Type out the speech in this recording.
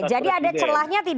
jadi ada celahnya tidak